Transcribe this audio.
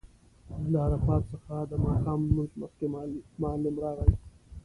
له عرفات څخه د ماښام لمونځ مخکې معلم راغی.